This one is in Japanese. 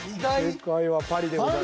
正解はパリでございます。